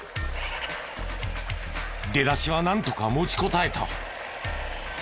出だしはなんとか持ちこたえた。